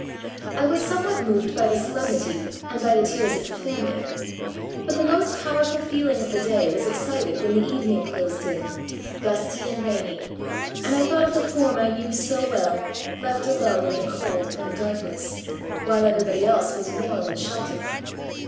I was somewhat moved by the solemnity, and by the tears of the family ; but the most powerful feeling of the day was excited when the evening closed in, gusty and rainy, and I thought of the form I knew so well, left alone in the cold and the darkness, while everybody else was warm and sheltered.